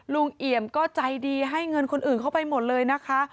เอี่ยมก็ใจดีให้เงินคนอื่นเข้าไปหมดเลยนะคะ